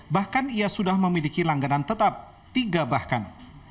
bahkan ia sudah memiliki langganan tetap tiga bahkan